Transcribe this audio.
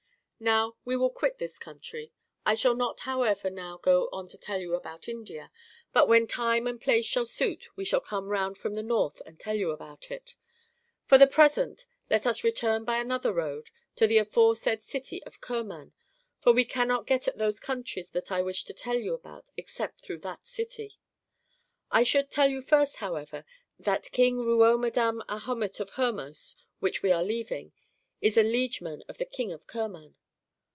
] Now, we will quit this country. I shall not, how ever, now go on to tell you about India; but when time and place shall suit we shall come round from the north and tell you about it. For the present, let us return by another road to the aforesaid city of Kerman, for we no MARCO POLO Book I. cannot get at those countries that I wish to tell you about except through that city. I should tell you first, however, that King Ruomedam Ahomet of Hormos, which we are leaving, is a liegeman of the King of Kerman.'